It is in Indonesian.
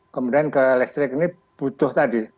kemudian ke listrik ini butuh tadi